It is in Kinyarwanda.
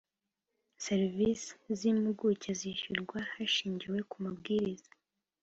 serivisi z’impuguke zishyurwa hashingiwe ku mabwiriza